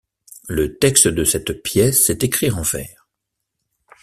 Le texte de cette pièce est écrit en vers.